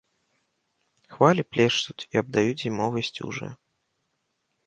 Хвалі плешчуць і абдаюць зімовай сцюжаю.